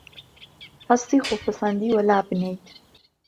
هەستی خۆپەسەندیی وەلابنێیت